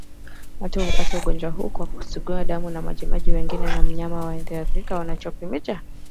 Watu hupata ugonjwa huu kwa kugusa damu na majimaji mengine ya mnyama aliyeathirika wanapomchinja